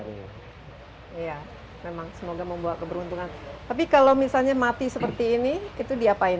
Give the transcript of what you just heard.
iya memang semoga membawa keberuntungan tapi kalau misalnya mati seperti ini itu diapain